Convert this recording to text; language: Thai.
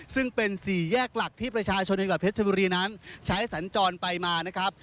ซึ่งเป็นสี่แยกหลักที่ประชาชนจังหวัดเพชรบุรีนั้นใช้สัญจรไปมานะครับ